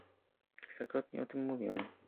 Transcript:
Kilkakrotnie o tym mówiono